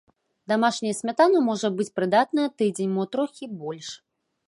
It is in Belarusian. Дамашняя смятана можа быць прыдатная тыдзень, мо трохі больш.